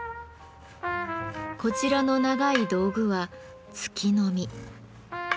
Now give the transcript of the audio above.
こちらの長い道具は「突きのみ」。